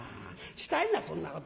したりなそんなこと。